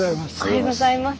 おはようございます。